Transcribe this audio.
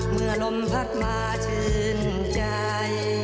เมื่อลมพัดมาชื่นใจ